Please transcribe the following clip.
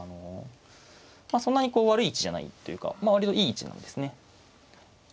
まあそんなに悪い位置じゃないというか割といい位置なんですね。